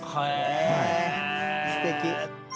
えすてき。